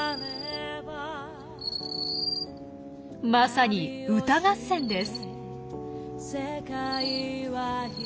まさに歌合戦です。